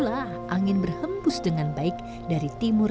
karena saat itulah angin berhembus dengan baik dari timur